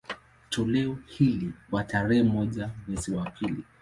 Toleo hili, kwa tarehe moja mwezi wa pili